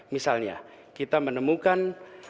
misalnya kita menemukan